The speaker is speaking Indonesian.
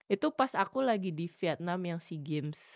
itu pas aku lagi di vietnam yang sea games